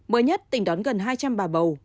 mới nhất tỉnh đón gần hai trăm linh bà bầu